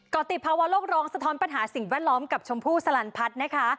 ก็ติดภาวะโลกร้องสะท้อนปัญหาสิ่งแวดล้อมกับชมพู่สลันพัฒน์นะคะ